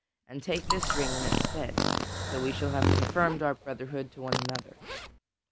and take thou this ring in its stead; so we shall have confirmed our brotherhood to one another."